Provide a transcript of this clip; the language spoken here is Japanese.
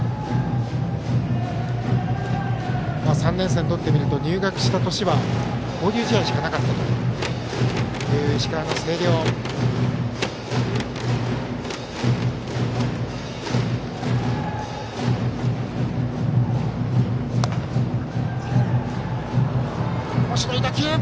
３年生にとってみると入学した年は交流試合しかなかったという石川の星稜。